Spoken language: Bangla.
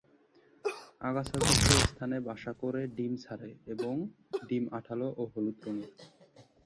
আগাছা যুক্ত স্থানে বাসা করে ডিম ছাড়ে এবং ডিম আঠালো ও হলুদ রঙের।